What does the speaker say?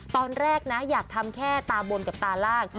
ตอนแรกนะอยากทำแค่ตาบนกับตาล่าง